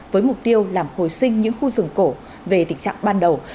với mục tiêu làm hồi sinh những khu rừng cổ về tình trạng ban đầu